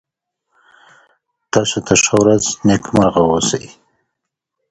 Platon became abbot of the new foundation, and Theodore was his right hand.